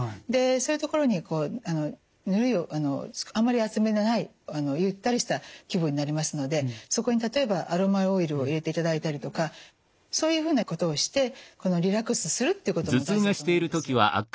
でそういうところにぬるいあんまり熱めでないゆったりした気分になりますのでそこに例えばアロマオイルを入れていただいたりとかそういうふうなことをしてリラックスするということも大事だと思うんですよ。